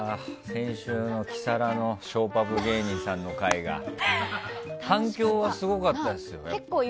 先週のキサラのショーパブ芸人さんの回が反響がすごかったですよね。